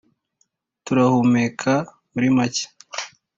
turahumeka, muri make.